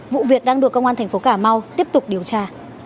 vụ việc đang được công an thành phố cà mau tiếp tục điều tra